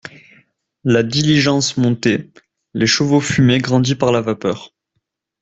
La diligence montait ; les chevaux fumaient grandis par la vapeur.